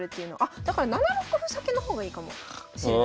だから７六歩先の方がいいかもしれないですね。